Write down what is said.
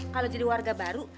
kalau jadi warga baru